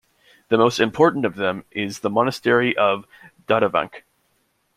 The most important of them is the monastery of Dadivank.